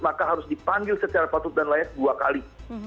maka harus dipanggil secara patut dan layak dua kali